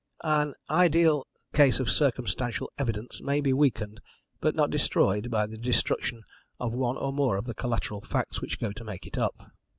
"An ideal case of circumstantial evidence may be weakened, but not destroyed, by the destruction of one or more of the collateral facts which go to make it up.